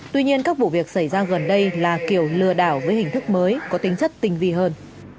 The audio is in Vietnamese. tuy nhiên các vụ việc xảy ra gần đây là kiểu lừa đảo với hình thức mới có tính chất tinh vi hơn